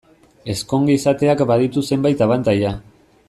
Ezkonge izateak baditu zenbait abantaila.